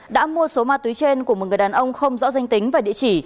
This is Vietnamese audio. đã mua số ma túy trên của một người đàn ông không rõ danh tính và địa chỉ